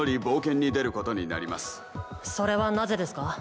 それはなぜですか？